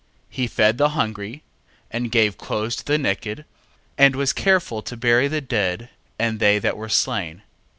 He fed the hungry, and gave clothes to the naked, and was careful to bury the dead, and they that were slain.